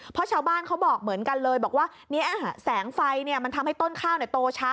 เพราะชาวบ้านเขาบอกเหมือนกันเลยบอกว่าแสงไฟมันทำให้ต้นข้าวโตช้า